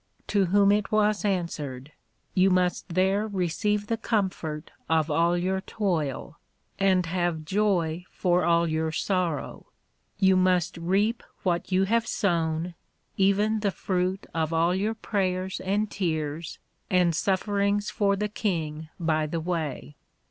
To whom it was answered, You must there receive the comfort of all your toil, and have joy for all your sorrow; you must reap what you have sown, even the fruit of all your Prayers and Tears, and sufferings for the King by the way.